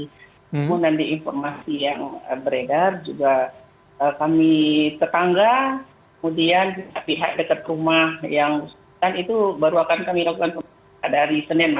kemudian di informasi yang beredar kami tetangga kemudian pihak dekat rumah yang berpikirkan itu baru akan kami lakukan pemeriksaan dari senin